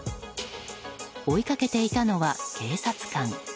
追いかけていたのは警察官。